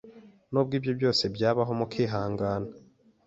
nubwo ibyo byose byabaho mukihangana.